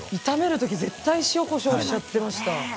炒めるとき絶対に塩こしょうしちゃっていました。